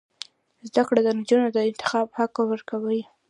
زده کړه نجونو ته د انتخاب حق ورکوي.